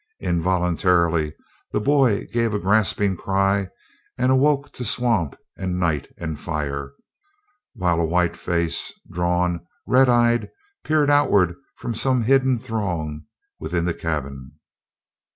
Involuntarily the boy gave a gasping cry and awoke to swamp and night and fire, while a white face, drawn, red eyed, peered outward from some hidden throng within the cabin.